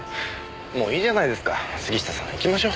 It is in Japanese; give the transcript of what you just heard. もういいじゃないですか杉下さん行きましょう。